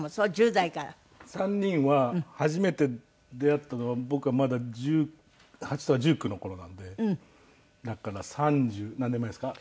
３人は初めて出会ったのは僕がまだ１８とか１９の頃なんでだから３０何年前ですか？